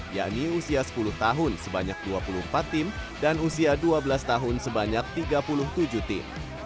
yakni usia sepuluh tahun sebanyak dua puluh empat tim dan usia dua belas tahun sebanyak tiga puluh tujuh tim